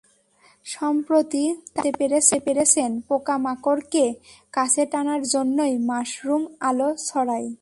সম্প্রতি তাঁরা জানতে পেরেছেন, পোকামাকড়কে কাছে টানার জন্যই মাশরুম আলো ছড়ায়।